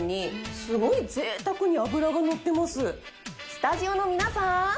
スタジオの皆さん！